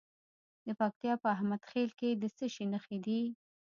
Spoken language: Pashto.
د پکتیا په احمد خیل کې د څه شي نښې دي؟